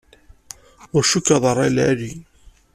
Ur cukkeɣ d rray n lɛali.